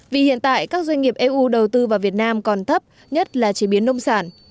vì hiện tại các doanh nghiệp eu đầu tư vào việt nam còn thấp nhất là chế biến nông sản